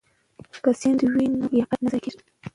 که سند وي نو لیاقت نه ضایع کیږي.